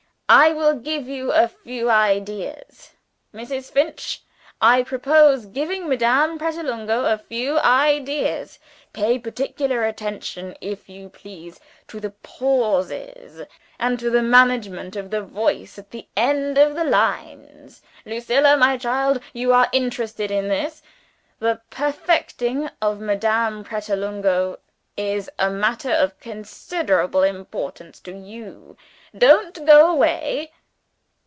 I will give you a few ideas. (Mrs. Finch! I propose giving Madame Pratolungo a few ideas.) Pay particular attention, if you please, to the Pauses, and to the management of the Voice at the end of the lines. Lucilla, my child, you are interested in this. The perfecting of Madame Pratolungo is a matter of considerable importance to you. Don't go away."